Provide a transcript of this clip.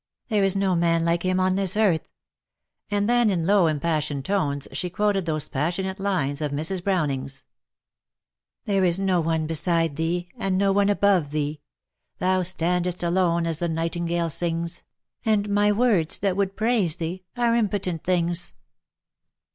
"There is no man like him on this earth.'' And then in low impassioned tones she quoted those passionate lines of Mrs. Browning's :— There is no one beside thee, and no one above thee ; Thon standest alone as the nightingale sings ; And my words, that would praise thee, are imjDotent things.